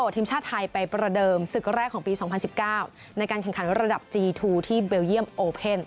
ทีมชาติไทยไปประเดิมศึกแรกของปี๒๐๑๙ในการแข่งขันระดับจีทูที่เบลเยี่ยมโอเพ่น